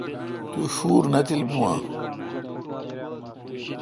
تو شُور نہ تیل بُون آں؟